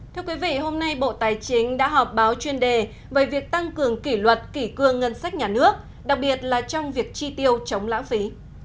thưa quý vị hôm nay bộ tài chính đã họp báo chuyên đề về việc tăng cường kỷ luật kỷ cương ngân sách nhà nước đặc biệt là trong việc tri tiêu chống lãng phí